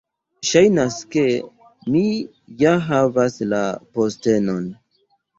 Ŝajnas ke mi ja havas la postenon!